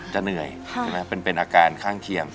จะเหนื่อยใช่ไหมเป็นอาการข้างเคียง